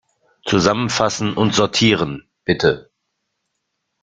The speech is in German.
Zusammenfassen und sortieren, bitte.